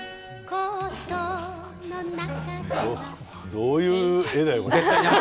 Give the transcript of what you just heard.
どういう絵だよ、これ。